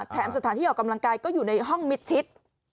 สถานที่ออกกำลังกายก็อยู่ในห้องมิดชิด